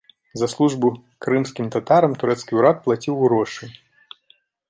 За службу крымскім татарам турэцкі ўрад плаціў грошы.